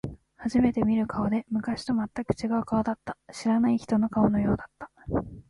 初めて見る顔で、昔と全く違う顔だった。知らない人の顔のようだった。